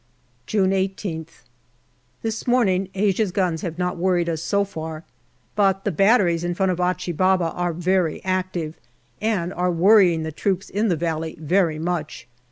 June 18th. This morning Asia's guns have not worried us so far, but the batteries in front of Achi Baba are very active, and are worrying the troops in the valley very much.